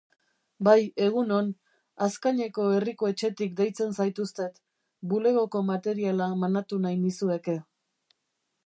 Bai, egun on; Azkaineko Herriko Etxetik deitzen zaituztet; bulegoko materiala manatu nahi nizueke.